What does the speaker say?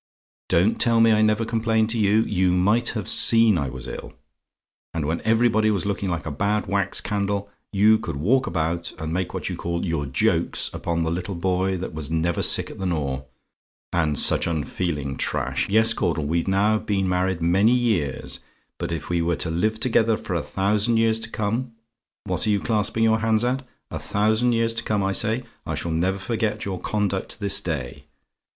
Don't tell me I never complained to you; you might have seen I was ill. And when everybody was looking like a bad wax candle, you could walk about, and make what you call your jokes upon the little buoy that was never sick at the Nore, and such unfeeling trash. "Yes, Caudle; we've now been married many years, but if we were to live together for a thousand years to come what are you clasping your hands at? a thousand years to come, I say, I shall never forget your conduct this day.